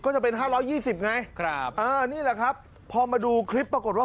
ก็จะเป็นห้าร้อยยี่สิบไงครับอ่านี่แหละครับพอมาดูคลิปปรากฏว่า